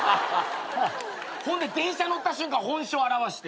ほんで電車乗った瞬間本性現して。